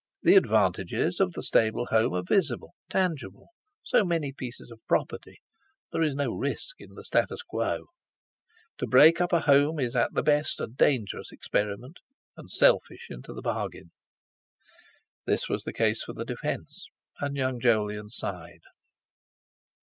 The advantages of the stable home are visible, tangible, so many pieces of property; there is no risk in the statu quo. To break up a home is at the best a dangerous experiment, and selfish into the bargain. This was the case for the defence, and young Jolyon sighed.